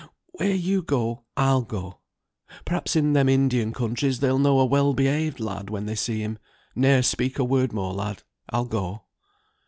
Where you go, I'll go. Perhaps in them Indian countries they'll know a well behaved lad when they see him; ne'er speak a word more, lad, I'll go."